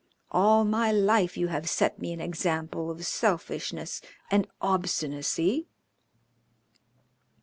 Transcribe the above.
All my life you have set me an example of selfishness and obstinacy.